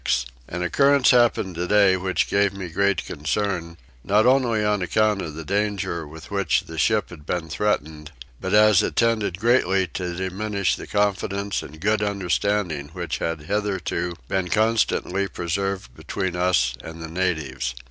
An occurrence happened today that gave me great concern, not only on account of the danger with which the ship had been threatened, but as it tended greatly to diminish the confidence and good understanding which had hitherto been constantly preserved between us and the natives.